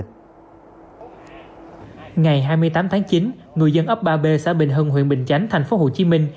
ngày hai mươi tám tháng chín người dân ấp ba b xã bình hưng huyện bình chánh tp hcm